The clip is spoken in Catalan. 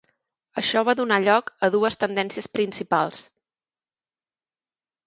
Això va donar lloc a dues tendències principals.